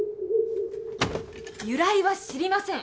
由来は知りません。